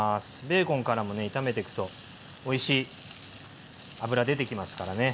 ベーコンからもね炒めていくとおいしい脂出てきますからね。